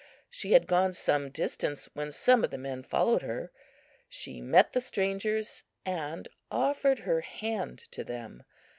She had gone some distance when some of the men followed her. She met the strangers and offered her hand to them.